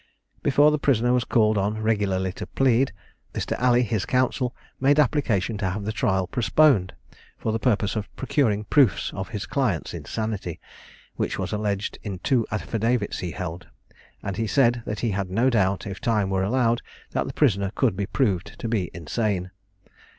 Before the prisoner was called on regularly to plead, Mr. Alley, his counsel, made application to have the trial postponed, for the purpose of procuring proofs of his client's insanity, which was alleged in two affidavits he held; and he said that he had no doubt, if time were allowed, that the prisoner could be proved to be insane.